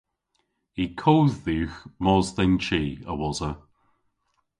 Y kodh dhywgh mos dhe'n chi a-wosa.